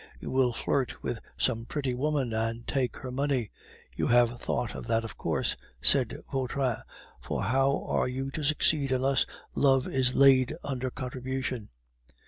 You will flirt with some pretty woman and take her money. You have thought of that, of course," said Vautrin, "for how are you to succeed unless love is laid under contribution?